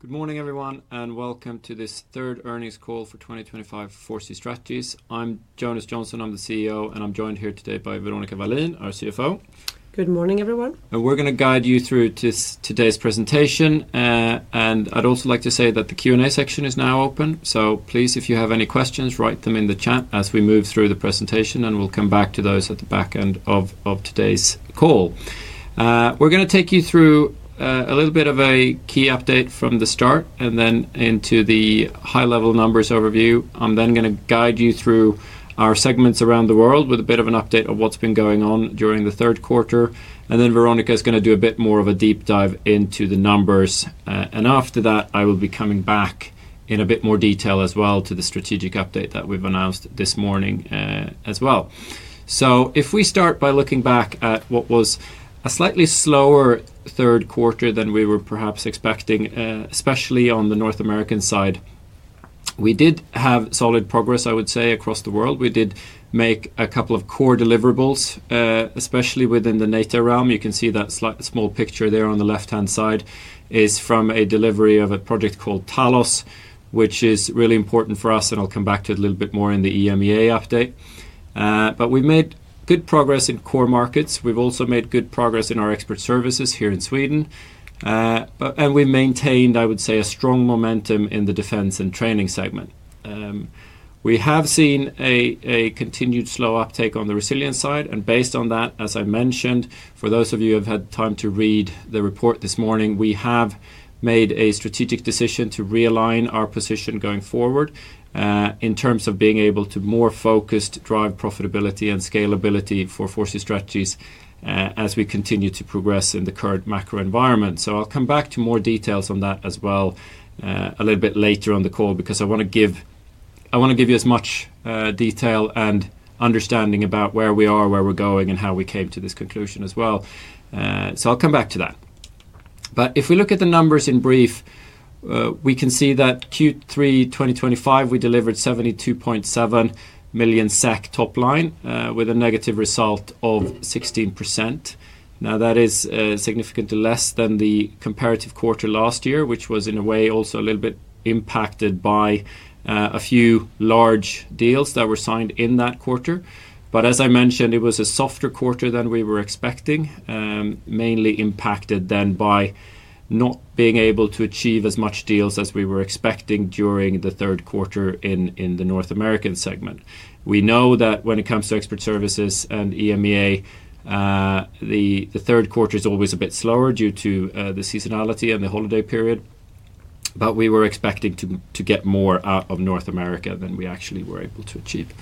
Good morning, everyone, and welcome to this third earnings call for 2025 4C Strategies. I'm Jonas Jonsson, I'm the CEO, and I'm joined here today by Veronica Wallin, our CFO. Good morning, everyone. We're going to guide you through today's presentation. I'd also like to say that the Q&A section is now open. Please, if you have any questions, write them in the chat as we move through the presentation, and we'll come back to those at the back end of today's call. We're going to take you through a little bit of a key update from the start and then into the high-level numbers overview. I'm then going to guide you through our segments around the world with a bit of an update on what's been going on during the third quarter. Veronica is going to do a bit more of a deep dive into the numbers. After that, I will be coming back in a bit more detail as well to the strategic update that we've announced this morning as well. If we start by looking back at what was a slightly slower third quarter than we were perhaps expecting, especially on the North American side, we did have solid progress, I would say, across the world. We did make a couple of core deliverables, especially within the NATO realm. You can see that small picture there on the left-hand side is from a delivery of a project called TALOS, which is really important for us, and I'll come back to it a little bit more in the EMEA update. We've made good progress in core markets. We've also made good progress in our expert services here in Sweden. We maintained, I would say, a strong momentum in the defense and training segment. We have seen a continued slow uptake on the resilience side. Based on that, as I mentioned, for those of you who have had time to read the report this morning, we have made a strategic decision to realign our position going forward. In terms of being able to more focused drive profitability and scalability for 4C Strategies as we continue to progress in the current macro environment. I'll come back to more details on that as well a little bit later on the call, because I want to give you as much detail and understanding about where we are, where we're going, and how we came to this conclusion as well. I'll come back to that. If we look at the numbers in brief, we can see that Q3 2025, we delivered 72.7 million SEK top line with a negative result of 16%. That is significantly less than the comparative quarter last year, which was in a way also a little bit impacted by a few large deals that were signed in that quarter. As I mentioned, it was a softer quarter than we were expecting, mainly impacted then by not being able to achieve as much deals as we were expecting during the third quarter in the North American segment. We know that when it comes to expert services and EMEA, the third quarter is always a bit slower due to the seasonality and the holiday period. But we were expecting to get more out of North America than we actually were able to achieve.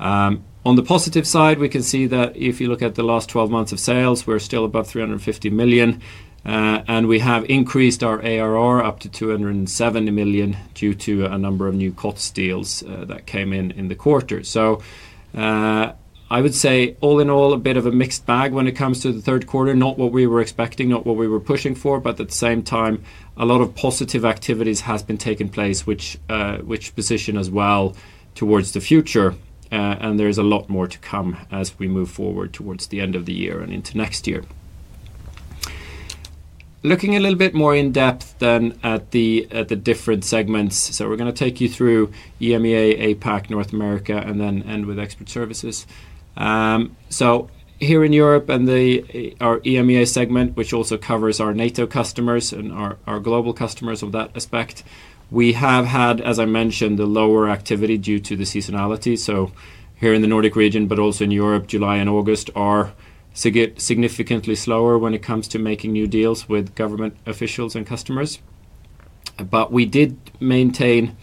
On the positive side, we can see that if you look at the last 12 months of sales, we're still above 350 million. And we have increased our ARR up to 270 million due to a number of new COTS deals that came in in the quarter. So. I would say all in all, a bit of a mixed bag when it comes to the third quarter, not what we were expecting, not what we were pushing for, but at the same time, a lot of positive activities have been taking place, which position as well towards the future. And there is a lot more to come as we move forward towards the end of the year and into next year. Looking a little bit more in depth then at the different segments. So we're going to take you through EMEA, APAC, North America, and then end with expert services. So here in Europe and our EMEA segment, which also covers our NATO customers and our global customers of that aspect, we have had, as I mentioned, the lower activity due to the seasonality. So here in the Nordic region, but also in Europe, July and August are significantly slower when it comes to making new deals with government officials and customers. But we did maintain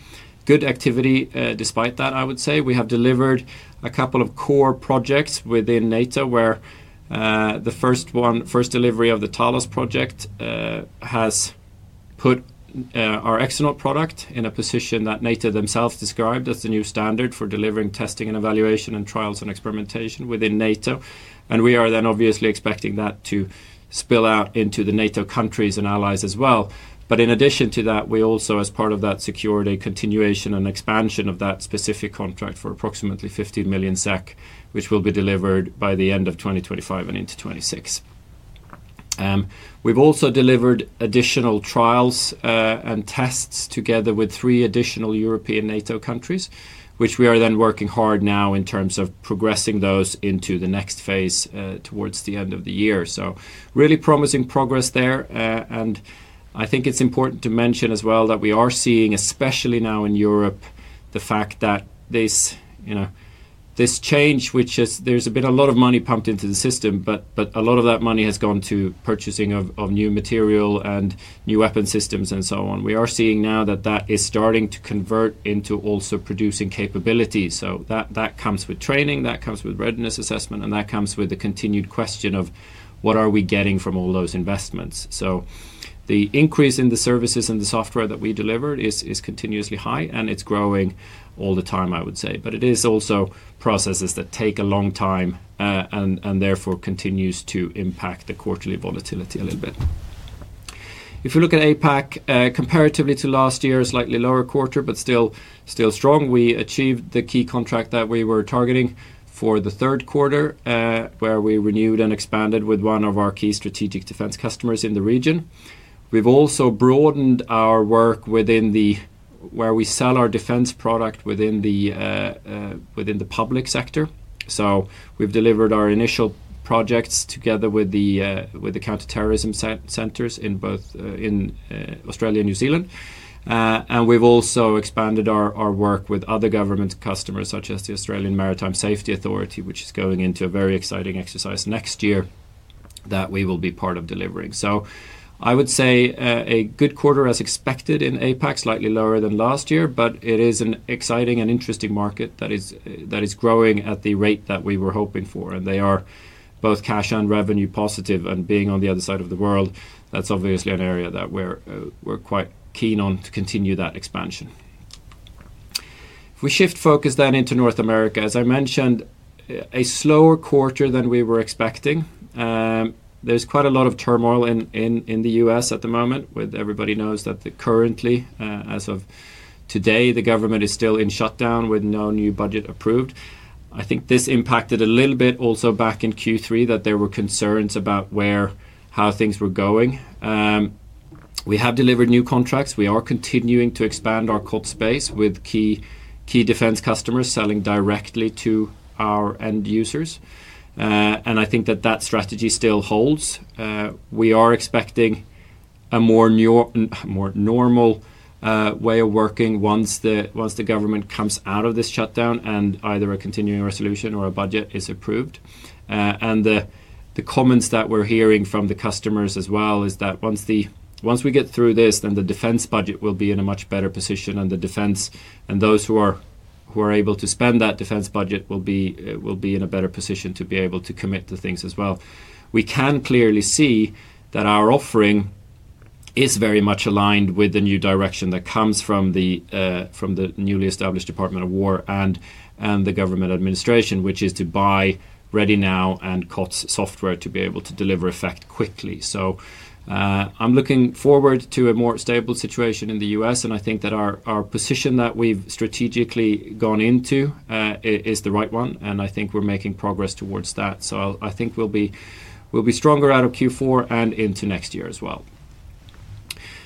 good activity despite that, I would say. We have delivered a couple of core projects within NATO, where the first delivery of the TALOS project has put our external product in a position that NATO themselves described as the new standard for delivering, testing, and evaluation and trials and experimentation within NATO. And we are then obviously expecting that to spill out into the NATO countries and allies as well. In addition to that, we also, as part of that security continuation and expansion of that specific contract for approximately 15 million SEK, which will be delivered by the end of 2025 and into 2026. We've also delivered additional trials and tests together with three additional European NATO countries, which we are then working hard now in terms of progressing those into the next phase towards the end of the year. So really promising progress there. I think it's important to mention as well that we are seeing, especially now in Europe, the fact that. This change, which is there's been a lot of money pumped into the system, but a lot of that money has gone to purchasing of new material and new weapon systems and so on. We are seeing now that that is starting to convert into also producing capabilities. So that comes with training, that comes with readiness assessment, and that comes with the continued question of what are we getting from all those investments. The increase in the services and the software that we delivered is continuously high, and it's growing all the time, I would say. It is also processes that take a long time and therefore continues to impact the quarterly volatility a little bit. If you look at APAC, comparatively to last year, slightly lower quarter, but still strong. We achieved the key contract that we were targeting for the third quarter, where we renewed and expanded with one of our key strategic defense customers in the region. We've also broadened our work within, where we sell our defense product within the public sector. We've delivered our initial projects together with the counterterrorism centers in Australia and New Zealand. We've also expanded our work with other government customers, such as the Australian Maritime Safety Authority, which is going into a very exciting exercise next year that we will be part of delivering. I would say a good quarter as expected in APAC, slightly lower than last year, but it is an exciting and interesting market that is growing at the rate that we were hoping for. They are both cash and revenue positive. Being on the other side of the world, that's obviously an area that we're quite keen on to continue that expansion. If we shift focus then into North America, as I mentioned, a slower quarter than we were expecting. There's quite a lot of turmoil in the U.S. at the moment, with everybody knows that currently, as of today, the government is still in shutdown with no new budget approved. I think this impacted a little bit also back in Q3 that there were concerns about how things were going. We have delivered new contracts. We are continuing to expand our COTS space with key defense customers selling directly to our end users. I think that that strategy still holds. We are expecting a more normal way of working once the government comes out of this shutdown and either a continuing resolution or a budget is approved. The comments that we're hearing from the customers as well is that once we get through this, then the defense budget will be in a much better position, and the defense and those who are able to spend that defense budget will be in a better position to be able to commit to things as well. We can clearly see that our offering is very much aligned with the new direction that comes from the newly established Department of War and the government administration, which is to buy ready now and COTS software to be able to deliver effect quickly. I'm looking forward to a more stable situation in the U.S., and I think that our position that we've strategically gone into is the right one, and I think we're making progress towards that. I think we'll be stronger out of Q4 and into next year as well.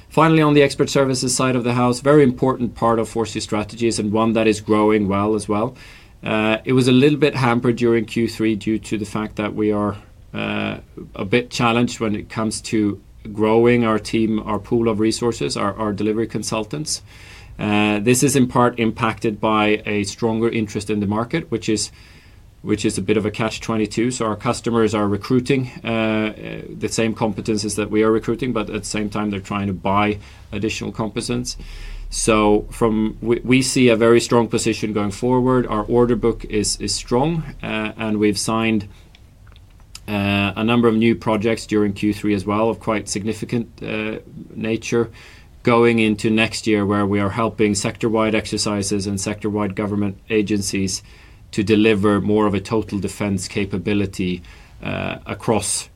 Finally, on the expert services side of the house, a very important part of 4C Strategies and one that is growing well as well. It was a little bit hampered during Q3 due to the fact that we are a bit challenged when it comes to growing our team, our pool of resources, our delivery consultants. This is in part impacted by a stronger interest in the market, which is a bit of a catch-22. Our customers are recruiting the same competencies that we are recruiting, but at the same time, they're trying to buy additional competencies. We see a very strong position going forward. Our order book is strong, and we've signed a number of new projects during Q3 as well of quite significant nature going into next year, where we are helping sector-wide exercises and sector-wide government agencies to deliver more of a total defense capability across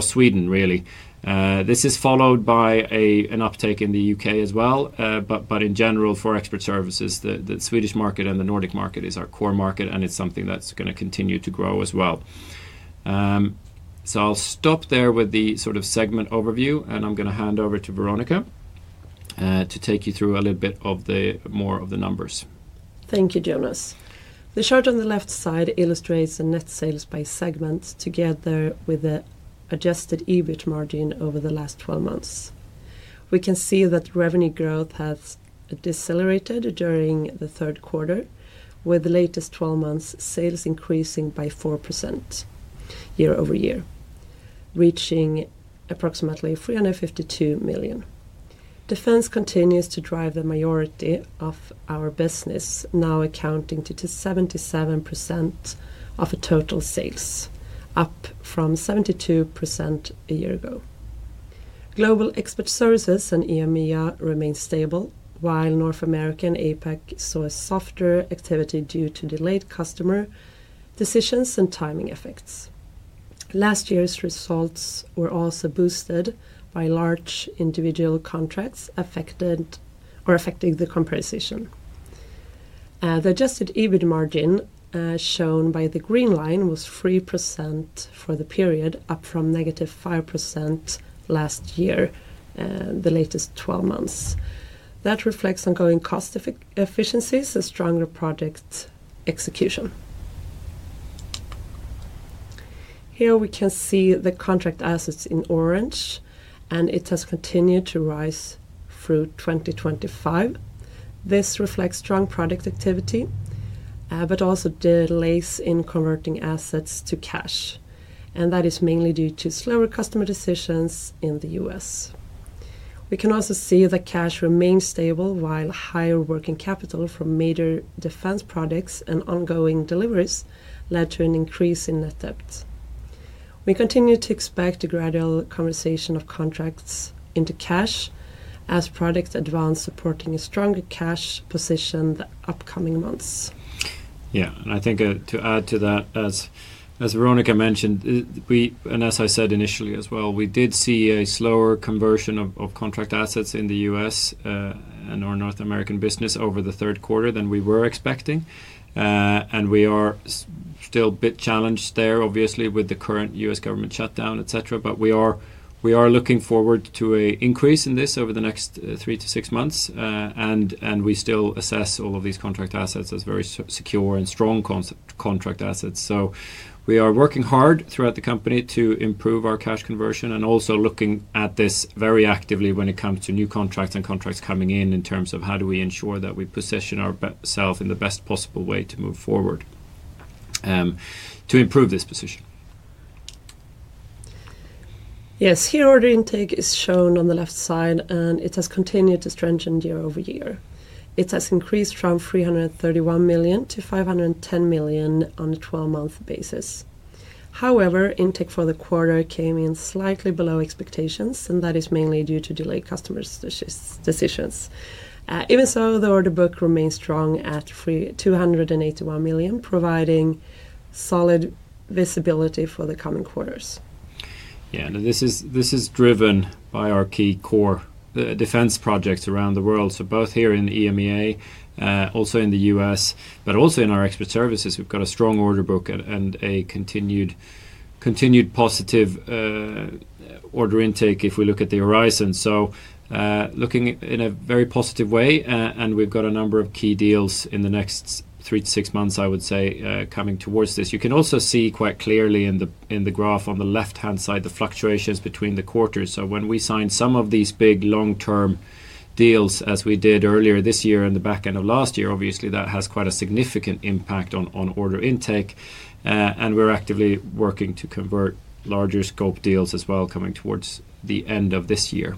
Sweden, really. This is followed by an uptake in the U.K. as well, but in general, for expert services, the Swedish market and the Nordic market is our core market, and it's something that's going to continue to grow as well. I'll stop there with the sort of segment overview, and I'm going to hand over to Veronica to take you through a little bit more of the numbers. Thank you, Jonas. The chart on the left side illustrates the net sales by segment together with the adjusted EBIT margin over the last 12 months. We can see that revenue growth has decelerated during the third quarter, with the latest 12 months sales increasing by 4% year-over-year, reaching approximately 352 million. Defense continues to drive the majority of our business, now accounting for 77% of total sales, up from 72% a year ago. Global expert services and EMEA remained stable, while North America and APAC saw a softer activity due to delayed customer decisions and timing effects. Last year's results were also boosted by large individual contracts affecting the compensation. The adjusted EBIT margin shown by the green line was 3% for the period, up from negative 5% last year, the latest 12 months. That reflects ongoing cost efficiencies and stronger project execution. Here we can see the contract assets in orange, and it has continued to rise through 2025. This reflects strong product activity. It also reflects delays in converting assets to cash. That is mainly due to slower customer decisions in the U.S. We can also see that cash remains stable, while higher working capital from major defense products and ongoing deliveries led to an increase in net debt. We continue to expect a gradual conversion of contracts into cash as products advance, supporting a stronger cash position in the upcoming months. Yeah, and I think to add to that, as Veronica mentioned, and as I said initially as well, we did see a slower conversion of contract assets in the U.S. and our North American business over the third quarter than we were expecting. We are still a bit challenged there, obviously, with the current U.S. government shutdown, et cetera. We are looking forward to an increase in this over the next three to six months. We still assess all of these contract assets as very secure and strong contract assets. We are working hard throughout the company to improve our cash conversion and also looking at this very actively when it comes to new contracts and contracts coming in in terms of how do we ensure that we position ourselves in the best possible way to move forward to improve this position. Yes, year-over-year intake is shown on the left side, and it has continued to strengthen year-over-year. It has increased from 331 million-510 million on a 12-month basis. However, intake for the quarter came in slightly below expectations, and that is mainly due to delayed customer decisions. Even so, the order book remains strong at 281 million, providing solid visibility for the coming quarters. Yeah, and this is driven by our key core defense projects around the world, so both here in the EMEA, also in the U.S., but also in our expert services. We've got a strong order book and a continued positive order intake if we look at the horizon. Looking in a very positive way, and we've got a number of key deals in the next three to six months, I would say, coming towards this. You can also see quite clearly in the graph on the left-hand side the fluctuations between the quarters. When we signed some of these big long-term deals, as we did earlier this year and the back end of last year, obviously that has quite a significant impact on order intake. We're actively working to convert larger scope deals as well coming towards the end of this year.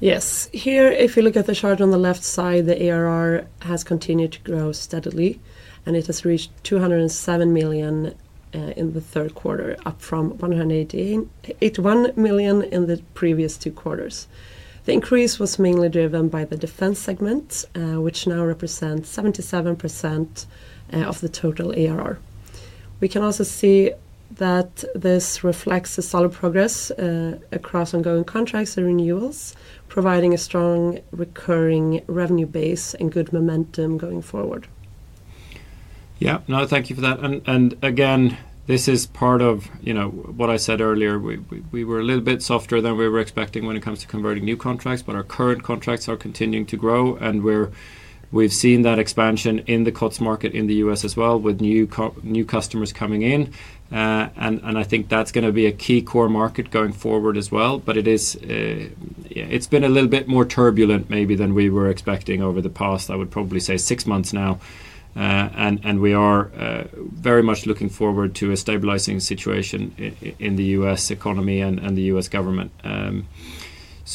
Yes, here, if you look at the chart on the left side, the ARR has continued to grow steadily, and it has reached 207 million. In the third quarter, up from 181 million in the previous two quarters. The increase was mainly driven by the defense segment, which now represents 77% of the total ARR. We can also see that this reflects a solid progress across ongoing contracts and renewals, providing a strong recurring revenue base and good momentum going forward. Yeah, no, thank you for that. Again, this is part of what I said earlier. We were a little bit softer than we were expecting when it comes to converting new contracts, but our current contracts are continuing to grow, and we've seen that expansion in the COTS market in the U.S. as well, with new customers coming in. I think that's going to be a key core market going forward as well. It's been a little bit more turbulent maybe than we were expecting over the past, I would probably say, six months now. We are very much looking forward to a stabilizing situation in the U.S. economy and the U.S. government.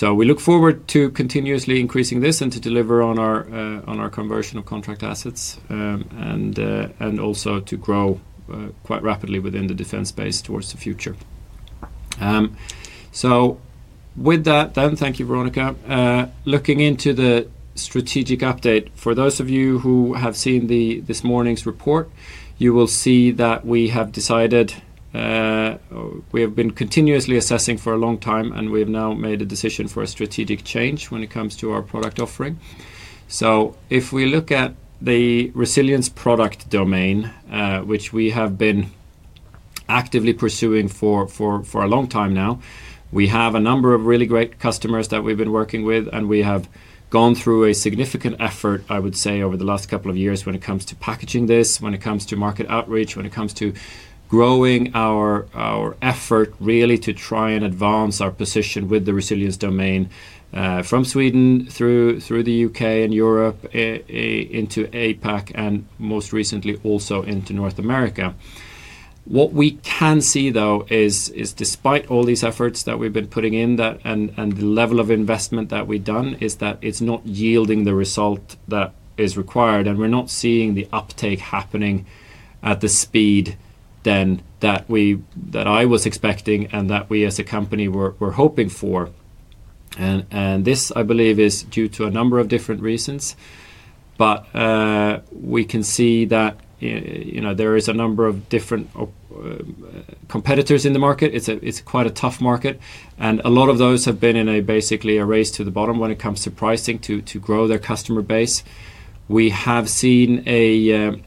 We look forward to continuously increasing this and to deliver on our conversion of contract assets and also to grow quite rapidly within the defense space towards the future. With that, thank you, Veronica. Looking into the strategic update, for those of you who have seen this morning's report, you will see that we have decided. We have been continuously assessing for a long time, and we have now made a decision for a strategic change when it comes to our product offering. If we look at the resilience product domain, which we have been actively pursuing for a long time now, we have a number of really great customers that we've been working with, and we have gone through a significant effort, I would say, over the last couple of years when it comes to packaging this, when it comes to market outreach, when it comes to growing our effort really to try and advance our position with the resilience domain from Sweden through the U.K. and Europe into APAC, and most recently also into North America. What we can see, though, is despite all these efforts that we've been putting in and the level of investment that we've done, it's not yielding the result that is required, and we're not seeing the uptake happening at the speed that I was expecting and that we as a company were hoping for. This, I believe, is due to a number of different reasons. We can see that there is a number of different competitors in the market. It's quite a tough market, and a lot of those have been in basically a race to the bottom when it comes to pricing to grow their customer base. We have seen a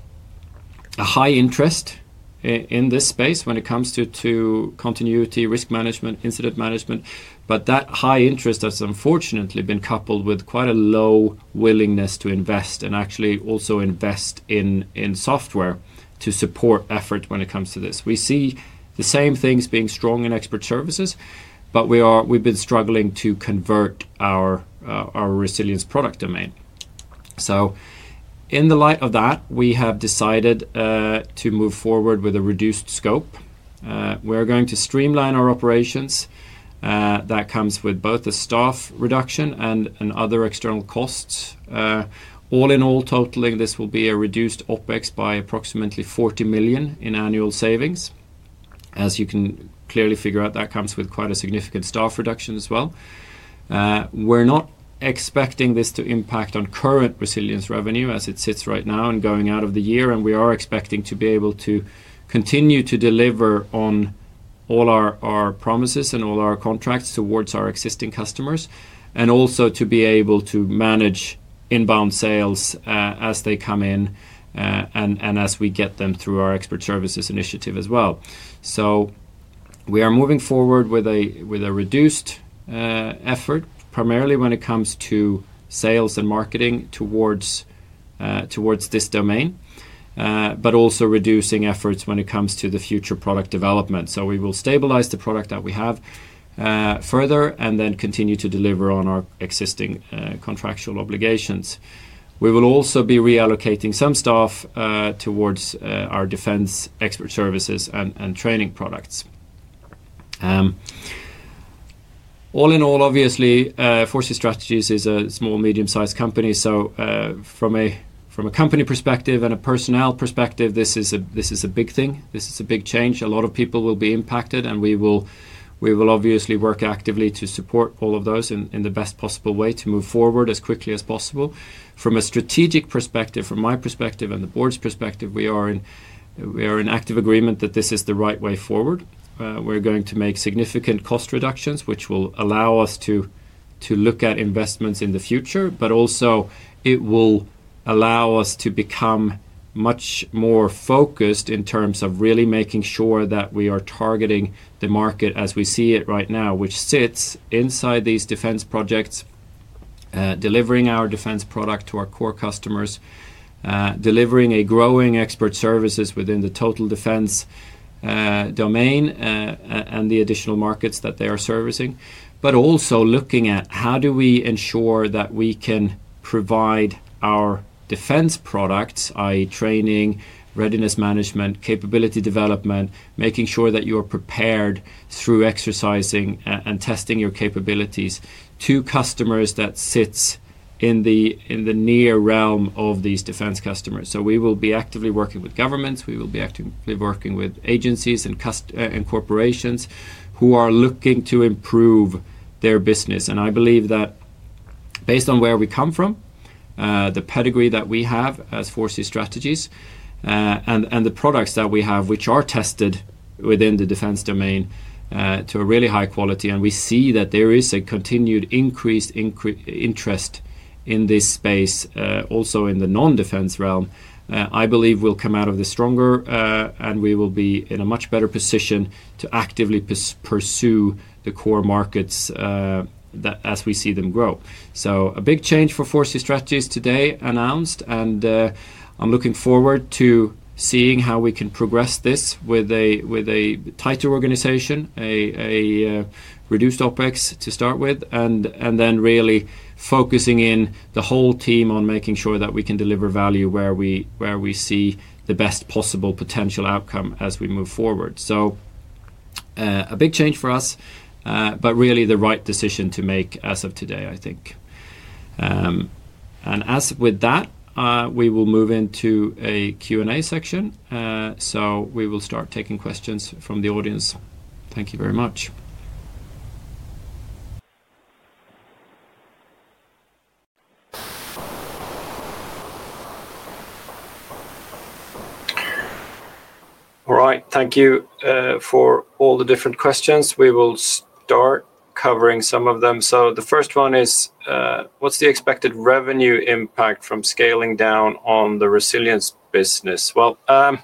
high interest in this space when it comes to continuity, risk management, incident management, but that high interest has unfortunately been coupled with quite a low willingness to invest and actually also invest in software to support effort when it comes to this. We see the same things being strong in expert services, but we've been struggling to convert our resilience product domain. In the light of that, we have decided to move forward with a reduced scope. We're going to streamline our operations. That comes with both a staff reduction and other external costs. All in all, totaling, this will be a reduced OPEX by approximately 40 million in annual savings. As you can clearly figure out, that comes with quite a significant staff reduction as well. We're not expecting this to impact on current resilience revenue as it sits right now and going out of the year, and we are expecting to be able to continue to deliver on all our promises and all our contracts towards our existing customers and also to be able to manage inbound sales as they come in, and as we get them through our expert services initiative as well. We are moving forward with a reduced effort, primarily when it comes to sales and marketing towards this domain, but also reducing efforts when it comes to the future product development. We will stabilize the product that we have further and then continue to deliver on our existing contractual obligations. We will also be reallocating some staff towards our defense expert services and training products. All in all, obviously, 4C Strategies is a small, medium-sized company. From a company perspective and a personnel perspective, this is a big thing. This is a big change. A lot of people will be impacted, and we will obviously work actively to support all of those in the best possible way to move forward as quickly as possible. From a strategic perspective, from my perspective and the board's perspective, we are in active agreement that this is the right way forward. We're going to make significant cost reductions, which will allow us to look at investments in the future, but also it will allow us to become much more focused in terms of really making sure that we are targeting the market as we see it right now, which sits inside these defense projects, delivering our defense product to our core customers, delivering a growing expert services within the total defense domain and the additional markets that they are servicing, but also looking at how do we ensure that we can provide our defense products, i.e., training, readiness management, capability development, making sure that you are prepared through exercising and testing your capabilities to customers that sit in the near realm of these defense customers. We will be actively working with governments. We will be actively working with agencies and corporations who are looking to improve their business. I believe that, based on where we come from, the pedigree that we have as 4C Strategies, and the products that we have, which are tested within the defense domain to a really high quality, and we see that there is a continued increased interest in this space, also in the non-defense realm, I believe we will come out of this stronger, and we will be in a much better position to actively pursue the core markets as we see them grow. A big change for 4C Strategies today announced, and I'm looking forward to seeing how we can progress this with a tighter organization, a reduced OPEX to start with, and then really focusing in the whole team on making sure that we can deliver value where we see the best possible potential outcome as we move forward. A big change for us, but really the right decision to make as of today, I think. As with that, we will move into a Q&A section. We will start taking questions from the audience. Thank you very much. All right, thank you for all the different questions. We will start covering some of them. The first one is, what's the expected revenue impact from scaling down on the resilience business? It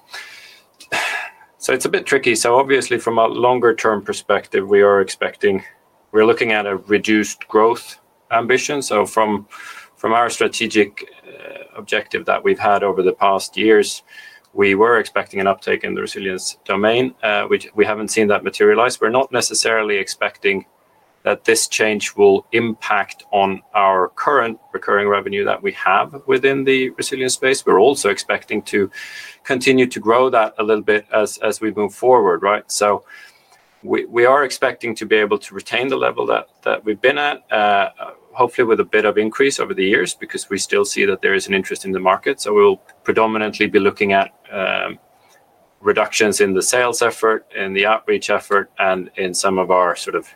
is a bit tricky. Obviously, from a longer-term perspective, we are expecting, we're looking at a reduced growth ambition. From our strategic objective that we've had over the past years, we were expecting an uptake in the resilience domain, which we have not seen materialize. We are not necessarily expecting that this change will impact our current recurring revenue that we have within the resilience space. We are also expecting to continue to grow that a little bit as we move forward, right? We are expecting to be able to retain the level that we have been at, hopefully with a bit of increase over the years, because we still see that there is an interest in the market. We will predominantly be looking at reductions in the sales effort, in the outreach effort, and in some of our sort of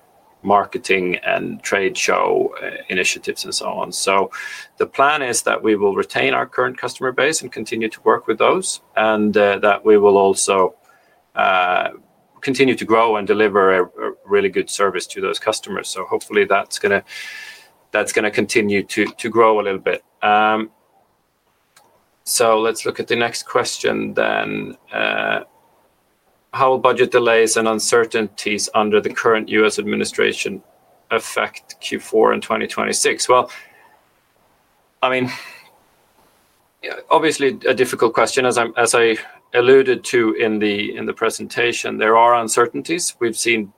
marketing and trade show initiatives and so on. The plan is that we will retain our current customer base and continue to work with those, and that we will also continue to grow and deliver a really good service to those customers. Hopefully that is going to continue to grow a little bit. Let's look at the next question then. How will budget delays and uncertainties under the current U.S. administration affect Q4 in 2026? I mean, obviously a difficult question. As I alluded to in the presentation, there are uncertainties. We have seen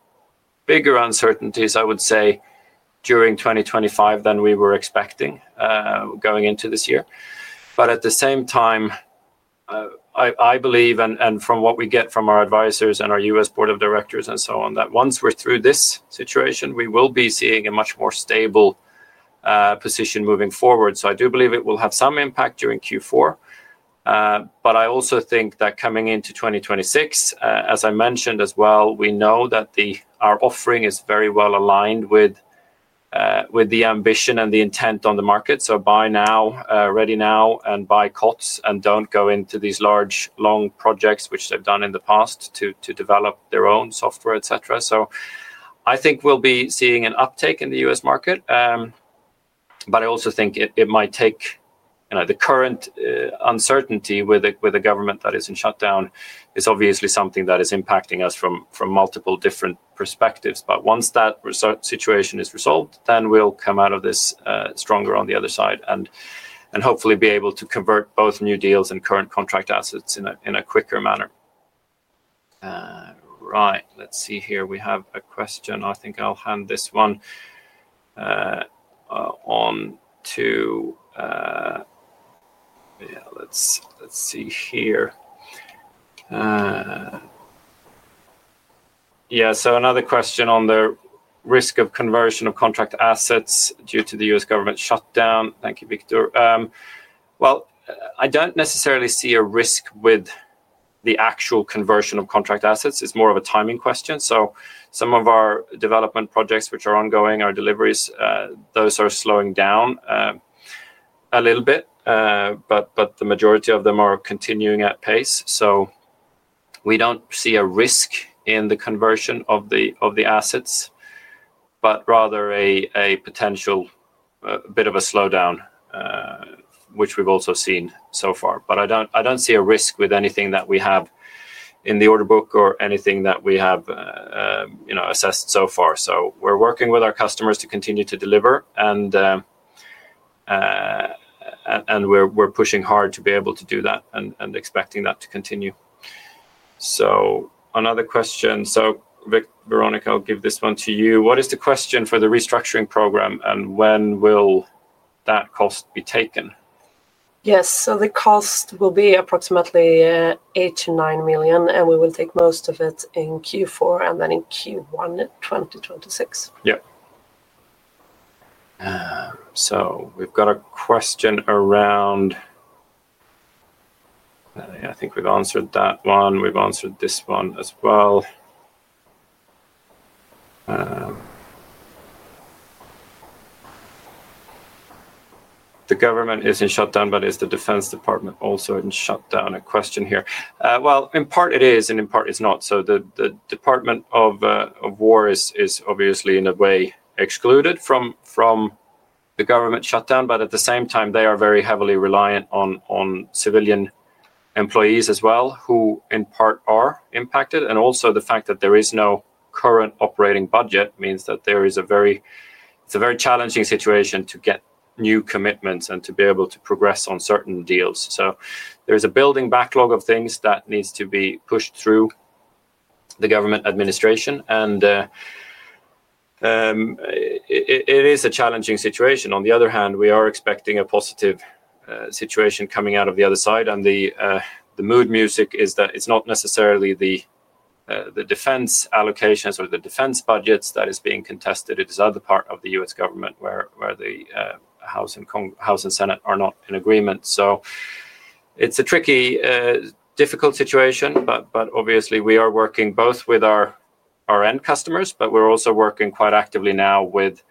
bigger uncertainties, I would say, during 2025 than we were expecting going into this year. At the same time, I believe, and from what we get from our advisors and our U.S. Board of Directors and so on, that once we are through this situation, we will be seeing a much more stable position moving forward. I do believe it will have some impact during Q4. I also think that coming into 2026, as I mentioned as well, we know that our offering is very well aligned with the ambition and the intent on the market. Buy now, ready now, and buy COTS, and do not go into these large long projects, which they have done in the past to develop their own software, et cetera. I think we will be seeing an uptake in the U.S. market. I also think it might take the current uncertainty with a government that is in shutdown is obviously something that is impacting us from multiple different perspectives. Once that situation is resolved, then we will come out of this stronger on the other side and hopefully be able to convert both new deals and current contract assets in a quicker manner. Right, let's see here. We have a question. I think I'll hand this one on to, yeah, let's see here. Yeah, so another question on the risk of conversion of contract assets due to the U.S. government shutdown. Thank you, Viktor. I don't necessarily see a risk with the actual conversion of contract assets. It's more of a timing question. Some of our development projects, which are ongoing, our deliveries, those are slowing down a little bit, but the majority of them are continuing at pace. We don't see a risk in the conversion of the assets, but rather a potential bit of a slowdown, which we've also seen so far. I don't see a risk with anything that we have in the order book or anything that we have assessed so far. We're working with our customers to continue to deliver, and we're pushing hard to be able to do that and expecting that to continue. Another question. Veronica, I'll give this one to you. What is the question for the restructuring program, and when will that cost be taken? Yes, so the cost will be approximately 8 million-9 million, and we will take most of it in Q4 and then in Q1 2026. Yeah. So we've got a question around. I think we've answered that one. We've answered this one as well. The government is in shutdown, but is the Defense Department also in shutdown? A question here. In part it is, and in part it's not. The Department of Defense is obviously, in a way, excluded from the government shutdown, but at the same time, they are very heavily reliant on civilian employees as well, who in part are impacted. Also, the fact that there is no current operating budget means that there is a very challenging situation to get new commitments and to be able to progress on certain deals. There is a building backlog of things that need to be pushed through the government administration, and it is a challenging situation. On the other hand, we are expecting a positive situation coming out of the other side. The mood music is that it's not necessarily the defense allocations or the defense budgets that are being contested. It is other parts of the U.S. government where the House and Senate are not in agreement. It's a tricky, difficult situation, but obviously we are working both with our end customers, but we're also working quite actively now with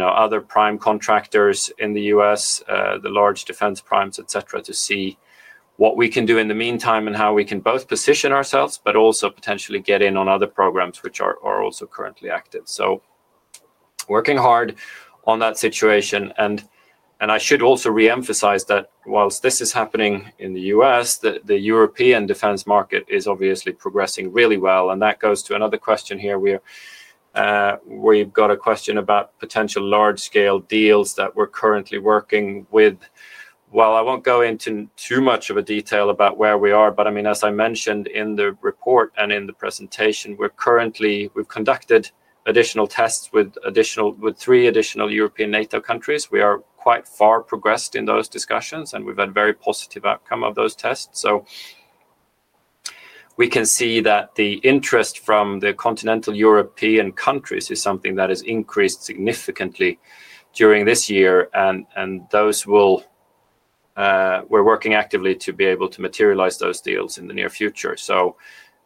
other prime contractors in the U.S., the large defense primes, et cetera, to see what we can do in the meantime and how we can both position ourselves, but also potentially get in on other programs which are also currently active. Working hard on that situation. I should also re-emphasize that whilst this is happening in the U.S., the European defense market is obviously progressing really well. That goes to another question here. We've got a question about potential large-scale deals that we're currently working with. I won't go into too much detail about where we are, but I mean, as I mentioned in the report and in the presentation, we've conducted additional tests with three additional European NATO countries. We are quite far progressed in those discussions, and we've had very positive outcome of those tests. We can see that the interest from the continental European countries is something that has increased significantly during this year, and we're working actively to be able to materialize those deals in the near future.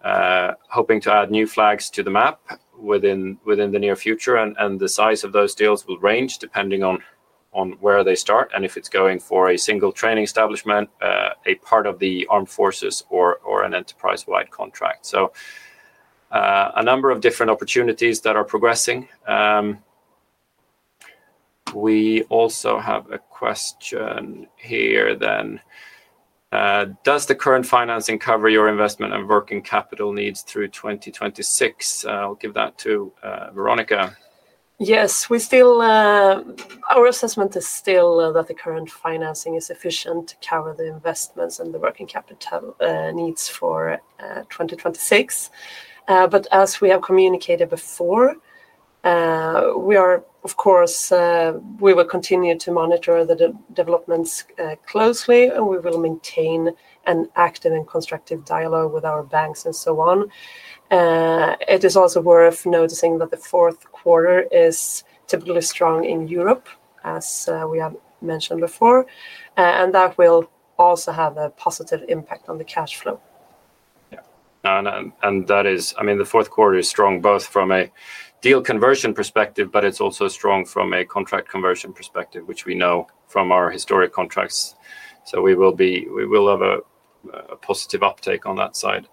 Hoping to add new flags to the map within the near future, and the size of those deals will range depending on where they start and if it's going for a single training establishment, a part of the armed forces, or an enterprise-wide contract. A number of different opportunities that are progressing. We also have a question here then. Does the current financing cover your investment and working capital needs through 2026? I'll give that to Veronica. Yes. Our assessment is still that the current financing is sufficient to cover the investments and the working capital needs for 2026. As we have communicated before, of course, we will continue to monitor the developments closely, and we will maintain an active and constructive dialogue with our banks and so on. It is also worth noticing that the fourth quarter is typically strong in Europe, as we have mentioned before, and that will also have a positive impact on the cash flow. Yeah. That is, I mean, the fourth quarter is strong both from a deal conversion perspective, but it's also strong from a contract conversion perspective, which we know from our historic contracts. We will have a positive uptake on that side.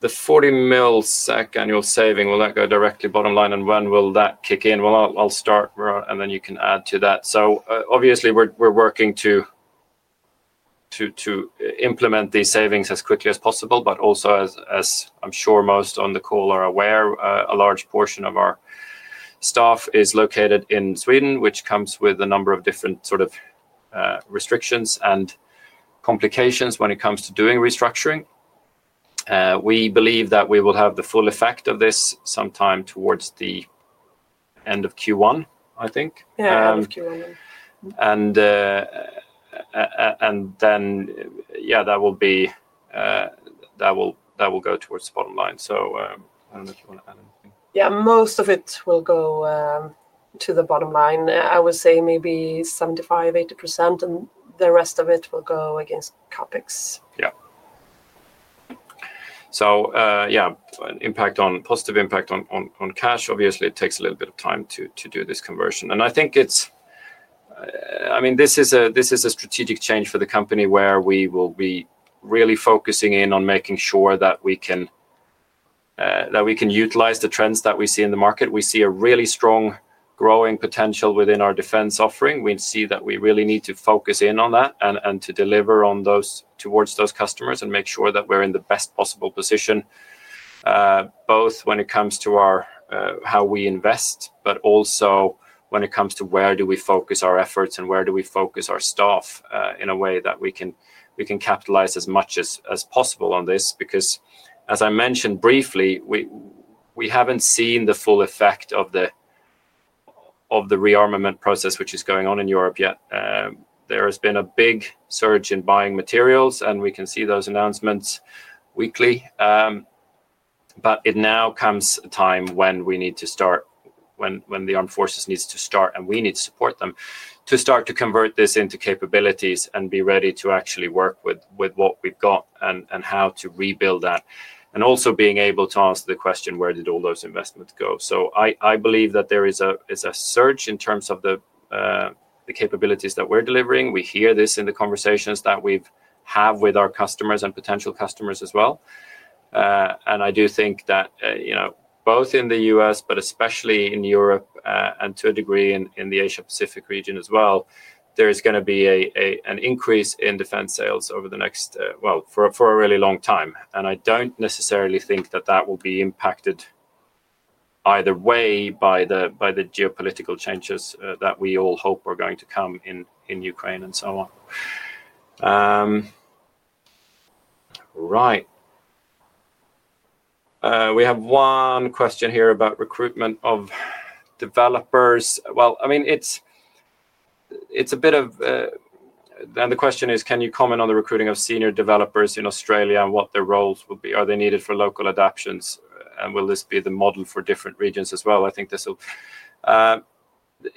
The 40 million SEK annual saving, will that go directly bottom line, and when will that kick in? I'll start, and then you can add to that. Obviously, we're working to implement these savings as quickly as possible, but also, as I'm sure most on the call are aware, a large portion of our staff is located in Sweden, which comes with a number of different sort of restrictions and complications when it comes to doing restructuring. We believe that we will have the full effect of this sometime towards the end of Q1, I think. Yeah, end of Q1. Yeah, that will go towards the bottom line. I don't know if you want to add anything. Yeah, most of it will go to the bottom line. I would say maybe 75%-80%, and the rest of it will go against CapEx. Yeah. So yeah, positive impact on cash. Obviously, it takes a little bit of time to do this conversion. I think it's, I mean, this is a strategic change for the company where we will be really focusing in on making sure that we can utilize the trends that we see in the market. We see a really strong growing potential within our defense offering. We see that we really need to focus in on that and to deliver towards those customers and make sure that we're in the best possible position. Both when it comes to how we invest, but also when it comes to where do we focus our efforts and where do we focus our staff in a way that we can capitalize as much as possible on this. Because, as I mentioned briefly, we haven't seen the full effect of the rearmament process, which is going on in Europe yet. There has been a big surge in buying materials, and we can see those announcements weekly. It now comes a time when we need to start, when the armed forces need to start, and we need to support them to start to convert this into capabilities and be ready to actually work with what we've got and how to rebuild that. Also being able to ask the question, where did all those investments go? I believe that there is a surge in terms of the capabilities that we're delivering. We hear this in the conversations that we have with our customers and potential customers as well. I do think that both in the U.S., but especially in Europe and to a degree in the Asia-Pacific region as well, there is going to be an increase in defense sales over the next, well, for a really long time. I don't necessarily think that that will be impacted either way by the geopolitical changes that we all hope are going to come in Ukraine and so on. Right. We have one question here about recruitment of developers. I mean, it's a bit of, and the question is, can you comment on the recruiting of senior developers in Australia and what their roles will be? Are they needed for local adoptions, and will this be the model for different regions as well? I think this will,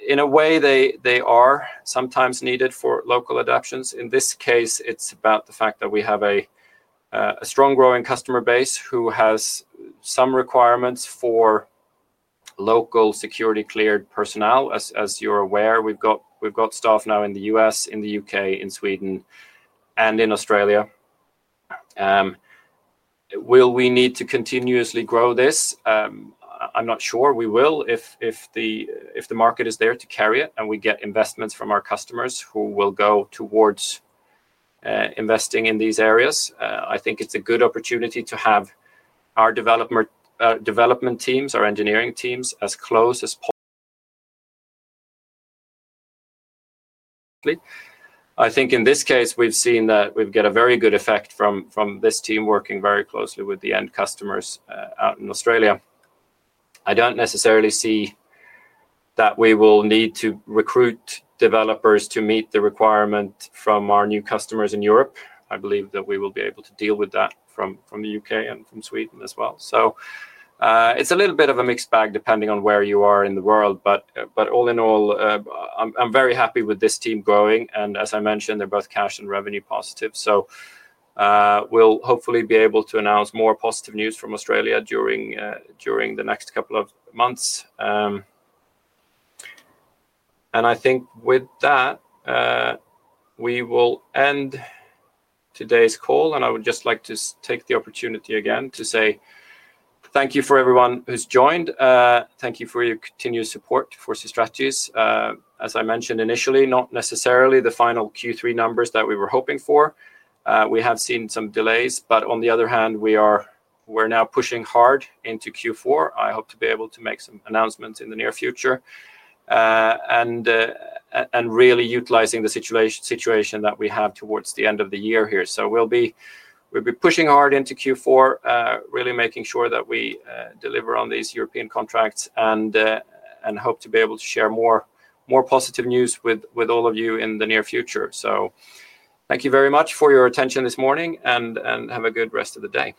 in a way, they are sometimes needed for local adoptions. In this case, it's about the fact that we have a strong growing customer base who has some requirements for local security-cleared personnel. As you're aware, we've got staff now in the U.S., in the U.K., in Sweden, and in Australia. Will we need to continuously grow this? I'm not sure we will if the market is there to carry it and we get investments from our customers who will go towards investing in these areas. I think it's a good opportunity to have our development teams, our engineering teams, as close as. I think in this case, we've seen that we've got a very good effect from this team working very closely with the end customers out in Australia. I don't necessarily see that we will need to recruit developers to meet the requirement from our new customers in Europe. I believe that we will be able to deal with that from the U.K. and from Sweden as well. It's a little bit of a mixed bag depending on where you are in the world, but all in all, I'm very happy with this team growing. As I mentioned, they're both cash and revenue positive. We'll hopefully be able to announce more positive news from Australia during the next couple of months. I think with that, we will end today's call, and I would just like to take the opportunity again to say thank you for everyone who's joined. Thank you for your continued support 4C Strategies. As I mentioned initially, not necessarily the final Q3 numbers that we were hoping for. We have seen some delays, but on the other hand, we're now pushing hard into Q4. I hope to be able to make some announcements in the near future. Really utilizing the situation that we have towards the end of the year here. We'll be pushing hard into Q4, really making sure that we deliver on these European contracts and hope to be able to share more positive news with all of you in the near future. Thank you very much for your attention this morning and have a good rest of the day.